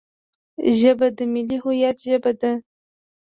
ژبه د ملي هویت ژبه ده